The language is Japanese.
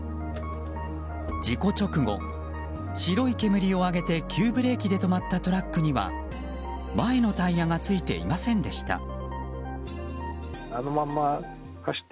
事故直後、白い煙を上げて急ブレーキで止まったトラックには、前のタイヤがついていませんでした。